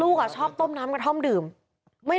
ลูกนั่นแหละที่เป็นคนผิดที่ทำแบบนี้